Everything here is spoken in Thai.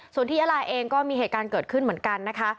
ส่วนที่ยาลาเองก็มีเหตุการณ์เกิดขึ้นเหมือนกันนะคะ